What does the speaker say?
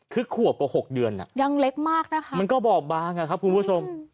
คือขวบกว่า๖เดือนยังเล็กมากมันก็บอกบ้างครับคุณผู้ชม